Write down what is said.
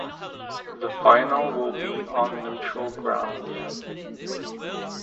The final will be on neutral grounds.